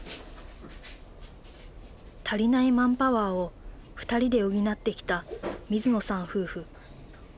足りないマンパワーを２人で補ってきた水野さん夫婦。